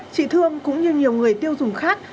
chị thương cũng như nhiều người tiêu dùng khác